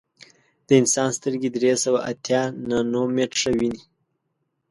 د انسان سترګې درې سوه اتیا نانومیټره ویني.